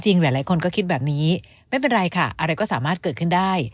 หลายคนก็คิดแบบนี้ไม่เป็นไรค่ะอะไรก็สามารถเกิดขึ้นได้